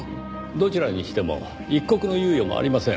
どちらにしても一刻の猶予もありません。